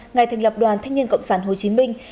ngày thành lập đoàn thanh niên cộng sản hồ chí minh